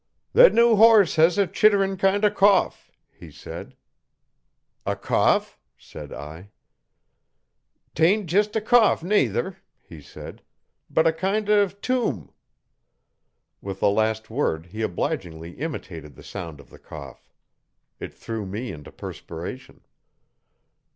'That new horse has a chittern' kind of a coff,' he said. 'A cough?' said I. ''Tain't jist a coff, nayther,' he said, 'but a kind of toom!' With the last word he obligingly imitated the sound of the cough. It threw me into perspiration.